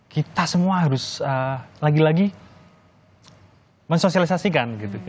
kita semua harus lagi lagi mensosialisasikan